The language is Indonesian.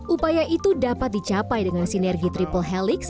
upaya itu dapat dicapai dengan sinergi triple helix